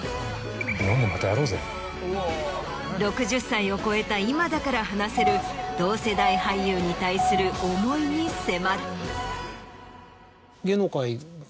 ６０歳を超えた今だから話せる同世代俳優に対する思いに迫る。